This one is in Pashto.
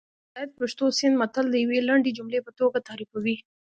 زاهد پښتو سیند متل د یوې لنډې جملې په توګه تعریفوي